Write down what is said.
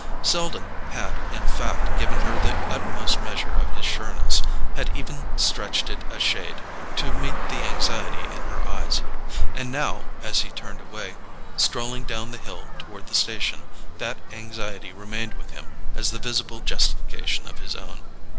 Selden had in fact given her the utmost measure of his sureness, had even stretched it a shade to meet the anxiety in her eyes. And now, as he turned away, strolling down the hill toward the station, that anxiety remained with him as the visible justification of his own.